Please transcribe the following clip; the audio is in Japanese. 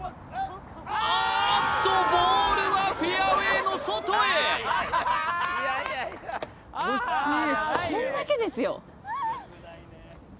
あーっとボールはフェアウェイの外へこんだけですよ